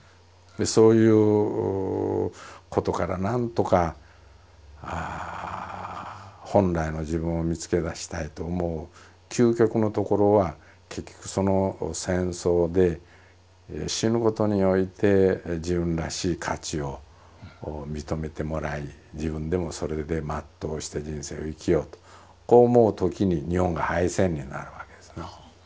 そういうことからなんとか本来の自分を見つけ出したいと思う究極のところは結局その戦争で死ぬことにおいて自分らしい価値を認めてもらい自分でもそれで全うして人生を生きようとこう思うときに日本が敗戦になるわけですね。